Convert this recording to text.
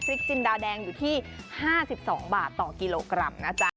ฟริกจินดาแดงอยู่ที่ห้าสิบสองบาทต่อกิโลกรัมนะจ๊ะ